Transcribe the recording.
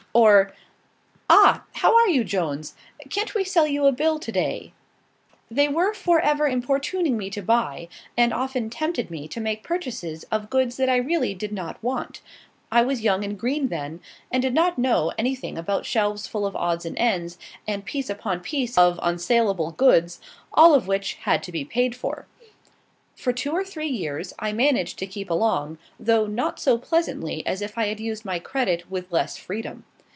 Or "Ah! how are you, Jones? Can't we sell you a bill, to day?" They were for ever importuning me to buy, and often tempted me to make purchases of goods that I really did not want. I was young and green then, and did not know any thing about shelves full of odds and ends, and piece upon piece of unsaleable goods, all of which had to be paid for. For two or three years, I managed to keep along, though not so pleasantly as if I had used my credit with less freedom.